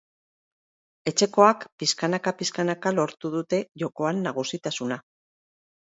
Etxekoak pixkanaka-pixkanaka lortu dute jokoan nagusitasuna.